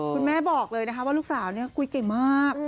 คุณแม่บอกเลยนะคะว่าลูกสาวเนี่ยคุยเก่งมาก